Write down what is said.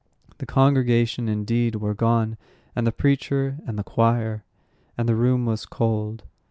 The congregation, indeed, were gone, and the preacher, and the choir; and the room was cold.